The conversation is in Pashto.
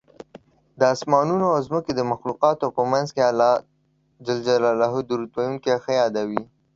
د اسمانونو او ځمکې د مخلوقاتو په منځ کې الله درود ویونکی ښه یادوي